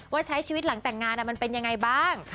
ใช้ชีวิตหลังแต่งงานมันเป็นยังไงบ้าง